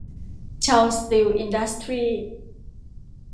เชาว์ สตีล อินดัสทรี้